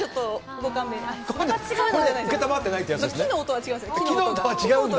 木の音は違うんだ。